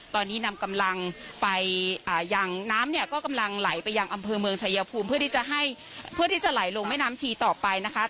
ตอนนี้นำกำลังไปอย่างน้ำเนี่ยก็กำลังไหลไปยังอำเภอเมืองชายภูมิเพื่อที่จะให้เพื่อที่จะไหลลงแม่น้ำชีต่อไปนะคะ